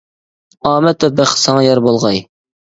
ئامەت ۋە بەخت ساڭا يار بولغاي!